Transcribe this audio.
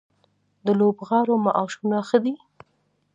د لوبغاړو معاشونه ښه دي؟